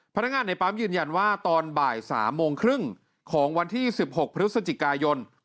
พนักงานในปั๊มยืนยันว่าตอนบ่าย๓โมงครึ่งของวันที่๑๖พฤศจิกายน